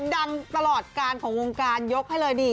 ดังตลอดการของวงการยกให้เลยดี